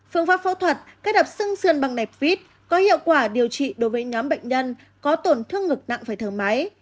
phương pháp phẫu thuật kết hợp sừng sườn bằng nẹp vít có hiệu quả điều trị đối với nhóm bệnh nhân có tổn thương ngực nặng phải thở máy